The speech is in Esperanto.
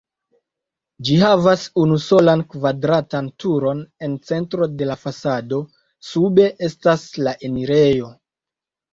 Ĝi havas unusolan kvadratan turon en centro de la fasado, sube estas la enirejo.